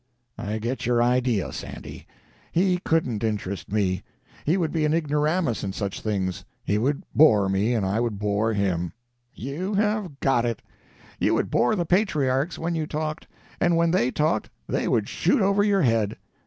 "I get your idea, Sandy. He couldn't interest me. He would be an ignoramus in such things—he would bore me, and I would bore him." "You have got it. You would bore the patriarchs when you talked, and when they talked they would shoot over your head.